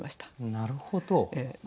なるほど。